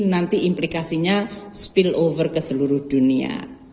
nanti implikasinya spill over ke seluruh dunia